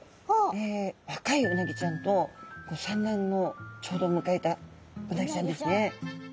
若いうなぎちゃんと産卵をちょうど迎えたうなぎちゃんですね。